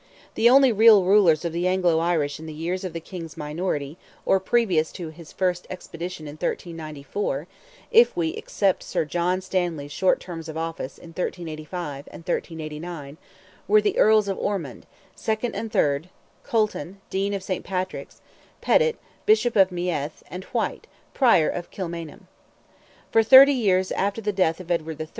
The only real rulers of the Anglo Irish in the years of the King's minority, or previous to his first expedition in 1394, (if we except Sir John Stanley's short terms of office in 1385 and 1389,) were the Earls of Ormond, second and third, Colton, Dean of Saint Patrick's, Petit, Bishop of Meath, and White, Prior of Kilmainham. For thirty years after the death of Edward III.